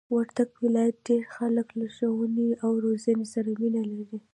وردګ ولایت ډېرئ خلک له ښوونې او روزنې سره مینه لري!